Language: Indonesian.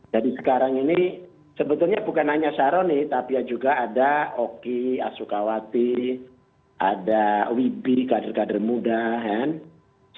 jadi sekarang ini sebetulnya bukan hanya syahroni tapi ya juga ada oki ashu kawate ada wibi kader kader muda ha ya